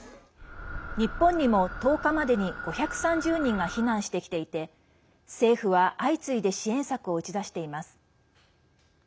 日本にも１０日までに５３０人が避難してきていて政府は、相次いで支援策を打ち出しています。